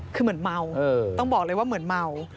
คือเหมือนเมาต้องบอกเลยว่าเหมือนเมา